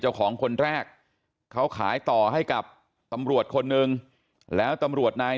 คนแรกเขาขายต่อให้กับตำรวจคนนึงแล้วตำรวจนาย